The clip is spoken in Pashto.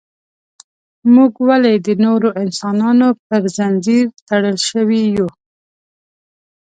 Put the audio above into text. موږ ولې د نورو انسانانو پر زنځیر تړل شوي یو.